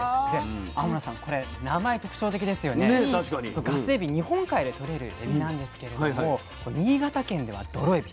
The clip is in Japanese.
このガスエビ日本海でとれるエビなんですけれども新潟県ではドロエビ